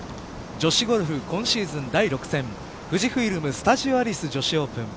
女子ゴルフ今シーズン第６戦富士フイルム・スタジオアリス女子オープン。